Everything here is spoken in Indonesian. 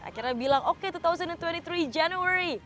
akhirnya bilang oke dua ribu dua puluh tiga januari